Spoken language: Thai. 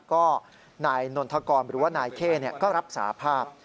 ก็นายนนทกรหรือว่านายเข้ก็รับสาภาพ